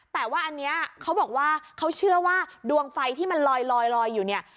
แต่ว่าอันนี้เขาบอกว่าเขาเชื่อว่าดวงไฟที่มันลอยอยู่เนี่ย